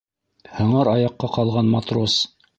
Һыңар аяҡҡа ҡалған матрос.